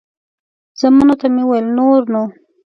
زامنو ته مې وویل نور نو.